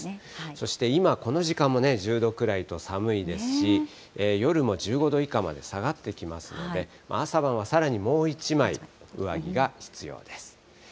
そして今この時間も１０度ぐらいと寒いですし、夜も１５度以下まで下がってきますので、朝晩はさらにもう１枚、上着が必要です。